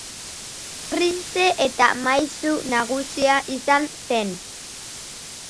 Printze eta Maisu Nagusia izan zen.